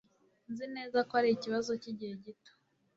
Nzi neza ko ari ikibazo cyigihe gito